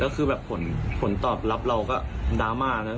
แล้วคือแบบผลตอบรับเราก็ดราม่า